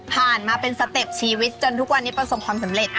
ผ่านมาเป็นสเต็ปชีวิตจนทุกวันนี้ประสบความสำเร็จ